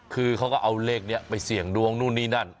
คือเขาก็เอาเลขนี้ไปเสี่ยงดวงนู่นนี่นั่น